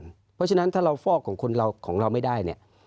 เพราะฉะนั้นถ้าเราฟอกของคนเราของเราไม่ได้เนี่ย